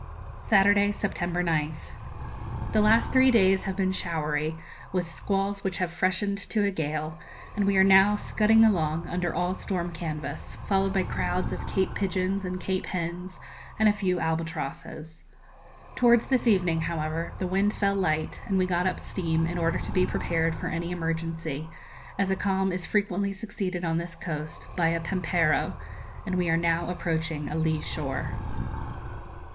Saturday, September 9th. The last three days have been showery, with squalls which have freshened to a gale, and we are now scudding along, under all storm canvas, followed by crowds of cape pigeons and cape hens, and a few albatrosses. Towards this evening, however, the wind fell light, and we got up steam, in order to be prepared for any emergency, as a calm is frequently succeeded on this coast by a pampero, and we are now approaching a lee shore.